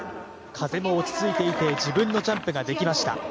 風も落ち着いていて、自分のジャンプができました。